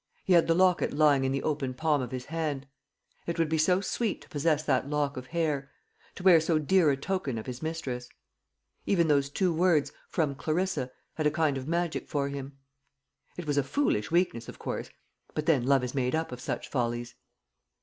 He had the locket lying in the open palm of his hand. It would be so sweet to possess that lock of hair to wear so dear a token of his mistress. Even those two words, "From Clarissa," had a kind of magic for him. It was a foolish weakness, of course; but then love is made up of such follies.